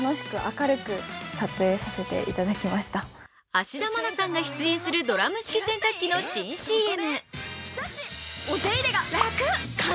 芦田愛菜さんが出演するドラム式洗濯機の新ＣＭ。